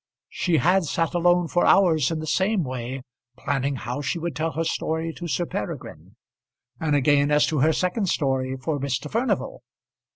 She had sat alone for hours in the same way planning how she would tell her story to Sir Peregrine; and again as to her second story for Mr. Furnival.